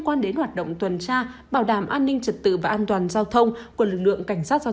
quan đến hoạt động tuần tra bảo đảm an ninh trật tự và an toàn giao thông của lực lượng cảnh sát giao